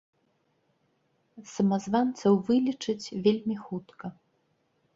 Самазванцаў вылічаць вельмі хутка.